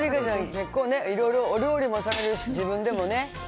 結構ね、いろいろお料理もされるし、自分でもね。